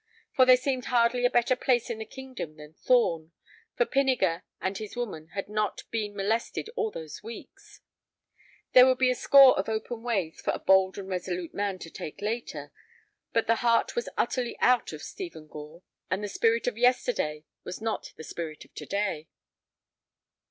For there seemed hardly a better place in the kingdom than Thorn, for Pinniger and his woman had not been molested all those weeks. There would be a score of open ways for a bold and resolute man to take later, but the heart was utterly out of Stephen Gore, and the spirit of yesterday was not the spirit of to day.